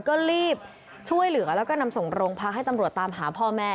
ก็รีบช่วยเหลือแล้วก็นำส่งโรงพักให้ตำรวจตามหาพ่อแม่